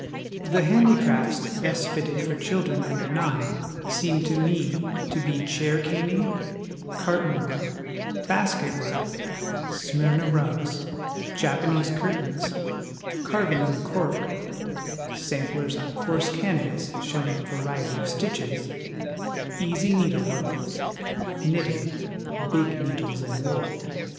The Handicrafts best fitted for children under nine seem to me to be chair caning, carton work, basket work, Smyrna rugs, Japanese curtains, carv ing in cork, samplers on coarse canvas showing a variety of stitches, easy needlework, knitting (big needles and wool), etc.